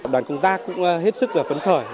đoàn công tác cũng hết sức phấn khởi